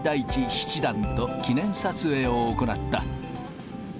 七段と記念撮影を行った。